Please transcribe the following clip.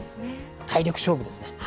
体力勝負ですね。